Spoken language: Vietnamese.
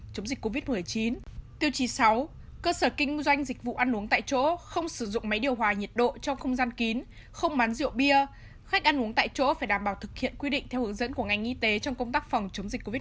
tiêu chí sáu cơ sở kinh doanh dịch vụ ăn uống tại chỗ không sử dụng máy điều hòa nhiệt độ trong không gian kín không bán rượu bia khách ăn uống tại chỗ phải đảm bảo thực hiện quy định theo hướng dẫn của ngành y tế trong công tác phòng chống dịch covid một mươi chín